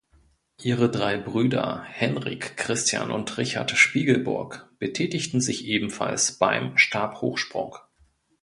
Ihre drei Brüder Henrik, Christian und Richard Spiegelburg betätigten sich ebenfalls beim Stabhochsprung.